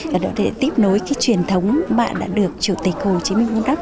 và tiếp nối cái truyền thống bạn đã được chủ tịch hồ chí minh vun đắp